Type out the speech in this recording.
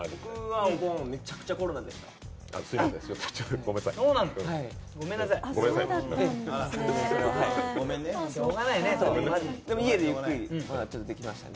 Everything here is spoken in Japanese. お盆、めちゃくちゃコロナでした。